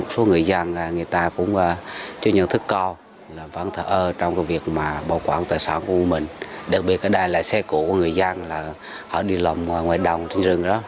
số người dân người ta cũng chưa nhận thức co vẫn thở ơ trong việc bảo quản tài sản của mình đặc biệt ở đây là xe cũ của người dân họ đi lồng ngoài đồng trên rừng đó